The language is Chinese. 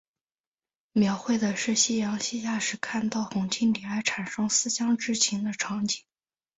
描绘的是夕阳西下时看到红蜻蜓而产生思乡之情的场景。